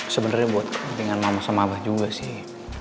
sebenarnya buat kepentingan mama sama abah juga sih